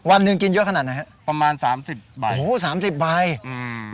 วันหนึ่งกินเยอะขนาดไหนฮะประมาณสามสิบบาทโอ้โหสามสิบใบอืม